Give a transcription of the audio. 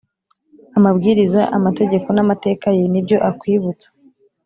amabwiriza amategeko n amateka ye n’ibyo akwibutsa